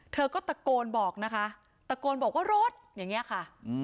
เธอก็ตะโกนบอกนะคะตะโกนบอกว่ารถอย่างนี้ค่ะ